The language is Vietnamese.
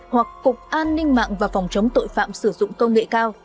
hoặc cục an ninh mạng và phòng chống tội phạm sử dụng công nghệ cao